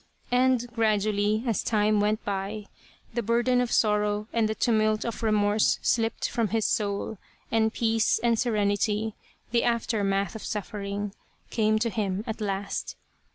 And gradually, as time went by, the burden of sorrow and the tumult of remorse slipped from his soul, and peace and serenity, the aftermath of suffer ing, came to him at last.